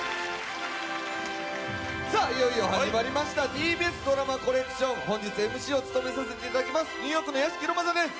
さあ、いよいよ恥釣りました「ＴＢＳＤＲＡＭＡＣＯＬＬＥＣＴＩＯＮ」、本日ＭＣを務めさせていただきますニューヨークの屋敷裕政です。